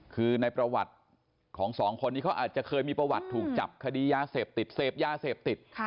คือในประวัติของสองคนนี้เขาอาจจะเคยมีประวัติถูกจับคดียาเสพติดเสพยาเสพติด